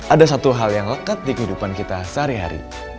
ada satu hal yang lekat di kehidupan kita sehari hari